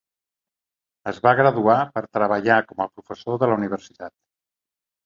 Es va graduar per treballar com a professor de la universitat.